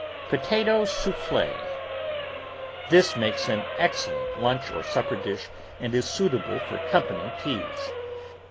POTATO SOUFFLE This makes an excellent lunch or supper dish and is suitable for company teas.